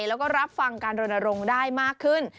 แล้วก็รับฟังการรณรงค์ได้มากขึ้น